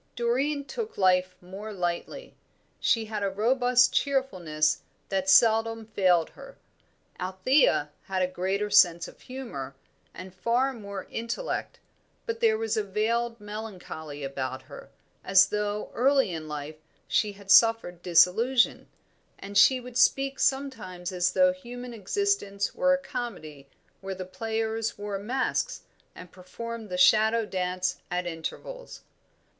Doreen took life more lightly; she had a robust cheerfulness that seldom failed her. Althea had a greater sense of humour, and far more intellect; but there was a veiled melancholy about her, as though early in life she had suffered disillusion; and she would speak sometimes as though human existence were a comedy where the players wore masks and performed the shadow dance at intervals.